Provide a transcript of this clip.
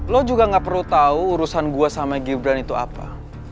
lo juga gak perlu tahu urusan gue sama gibran itu apa